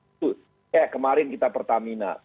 itu kayak kemarin kita pertamina